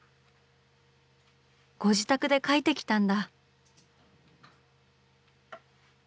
ご自宅で描いてきたんだ。